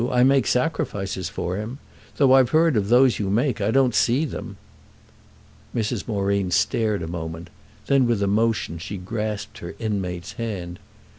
I make sacrifices for him. Though I've heard of those you make I don't see them." Mrs. Moreen stared a moment; then with emotion she grasped her inmate's hand.